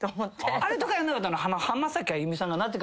あれとかやんなかったの？